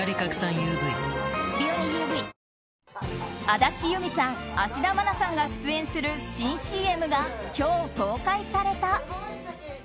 安達祐実さん芦田愛菜さんが出演する新ＣＭが今日、公開された。